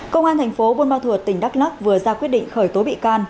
công an thành phố buôn ma thuột tỉnh đắk lắc vừa ra quyết định khởi tố bị can